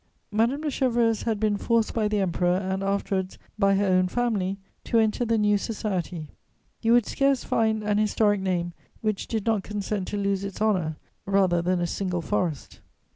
Madame de Chevreuse had been forced by the Emperor and, afterwards, by her own family to enter the new society. You would scarce find an historic name which did not consent to lose its honour rather than a single forest.